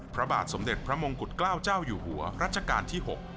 พระบาทสมเด็จพระมงกุฎเกล้าเจ้าอยู่หัวรัชกาลที่๖